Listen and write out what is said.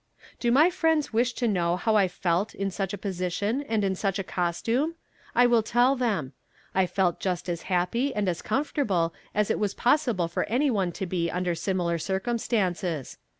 Do my friends wish to know how I felt in such a position and in such a costume? I will tell them. I felt just as happy and as comfortable as it was possible for any one to be under similar circumstances.